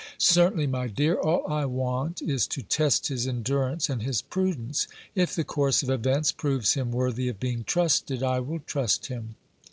"Certainly, my dear. All I want is to test his endurance and his prudence. If the course of events proves him worthy of being trusted, I will trust him."